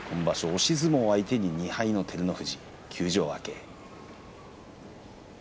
押し相撲相手に２敗の照ノ富士横綱、休場明け。